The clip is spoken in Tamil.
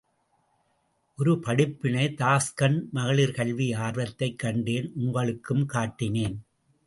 ஒரு படிப்பினை தாஷ்கண்ட் மகளிர் கல்வி ஆர்வத்தைக் கண்டேன் உங்களுக்கும் காட்டினேன்.